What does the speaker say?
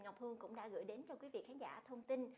ngọc hương cũng đã gửi đến cho quý vị khán giả thông tin